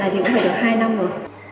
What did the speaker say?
đen và nó